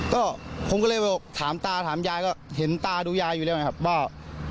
ก็ผมก็เลยไปถามตาถามยายก็เห็นตาดูยายอยู่แล้วนะครับว่า